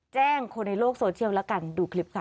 คนในโลกโซเชียลแล้วกันดูคลิปค่ะ